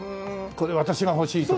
「これ私が欲しい」とか。